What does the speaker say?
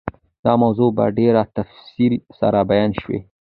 دا موضوع په ډېر تفصیل سره بیان شوه.